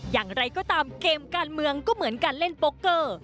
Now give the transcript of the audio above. อย่างไรก็ตามเกมการเมืองก็เหมือนการเล่นโป๊เกอร์